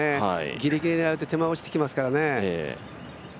ギリギリ狙うと手前落ちてきますからね。